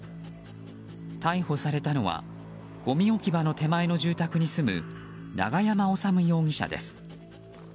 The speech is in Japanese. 逮捕されたのはごみ置き場の手前の住宅に住む永山修容疑者です。